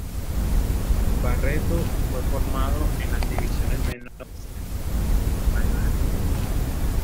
Barreto fue formado en las divisiones menores del Club Universitario de Deportes.